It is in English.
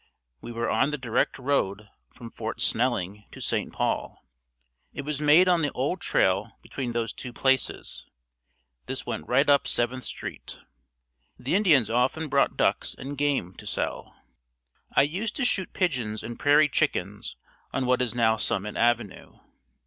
We were on the direct road from Fort Snelling to St. Paul. It was made on the old trail between those two places. This went right up Seventh Street. The Indians often brought ducks and game to sell. I used to shoot pigeons and prairie chickens on what is now Summit avenue.